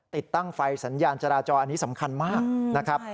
ติดตั้งไฟสัญญาณจราจรอันนี้สำคัญมากนะครับ